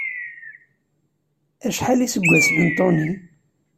Acḥal iseggasen n Tony?